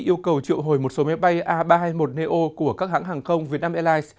yêu cầu triệu hồi một số máy bay a ba trăm hai mươi một neo của các hãng hàng không việt nam airlines